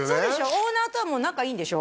オーナーとはもう仲いいんでしょ？